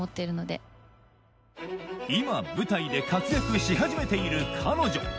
今舞台で活躍し始めている彼女